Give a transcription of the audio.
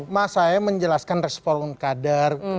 mas saya menjelaskan respon kader